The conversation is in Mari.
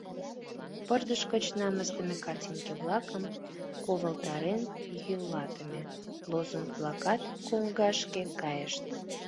Пырдыж гыч намысдыме картинке-влакым ковылтарен йӱлатыме, лозунг-влакат коҥгашке кайышт.